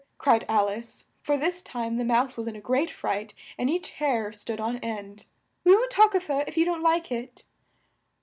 cried Al ice, for this time the Mouse was in a great fright and each hair stood on end. "We won't talk of her if you don't like it."